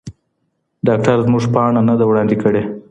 ډاکټر زموږ پاڼه نه ده وړاندي کړې.